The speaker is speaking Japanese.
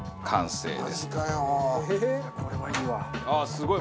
すごい。